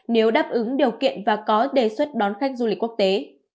nếu đáp ứng điều kiện và có đề xuất đón khách du lịch quốc tế